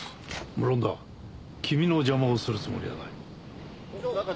むろんだ君の邪魔をするつもりはない。